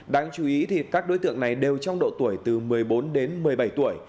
đáng chú ý thì các đối tượng này đều trong độ tuổi từ một mươi bốn đến một mươi bảy tuổi